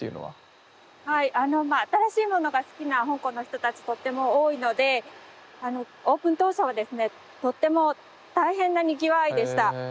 はいあのまあ新しいものが好きな香港の人たちとっても多いのでオープン当初はですねとっても大変なにぎわいでした。